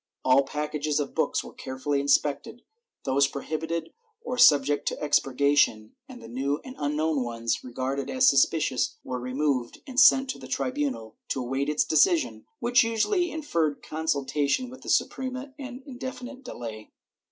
All packages of books were carefully inspected, those prohibited or subject to expurgation, and the new and unknown ones regarded as sus picious were removed and sent to the tribunal to await its decision, which usually inferred consultation with the Suprema and indefi nite delay.